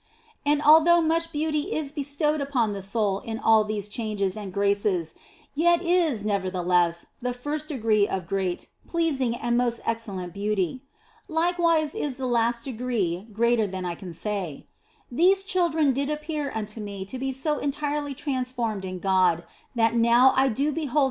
And although much beauty is bestowed upon the soul in all these changes and graces, yet is nevertheless the first degree of great, pleasing and most excellent beauty. Likewise is the last degree 238 THE BLESSED ANGELA greater than I can say. These children did appear unto me to be so entirely transformed in God that now I do behold.